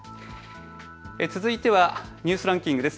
続いてはニュースランキングです。